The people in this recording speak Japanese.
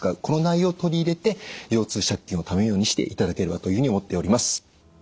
この内容を取り入れて腰痛借金をためないようにしていただければというふうに思っております。